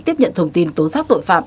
tiếp nhận thông tin tố giác tội phạm